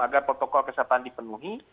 agar protokol kesehatan dipenuhi